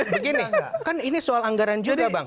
begini kan ini soal anggaran juga bang